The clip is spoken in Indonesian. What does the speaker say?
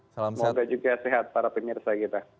semoga juga sehat para pemirsa kita